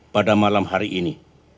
pada malam hari ini